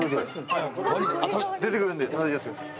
出てくるんでたたいちゃってください。